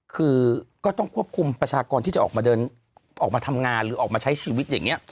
คือก็ต้องควบคุมประชากรที่จะออกมาเดินออกมาทำงานหรือออกมาใช้ชีวิตอย่างนี้